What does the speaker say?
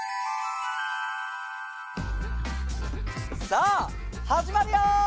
さあはじまるよ！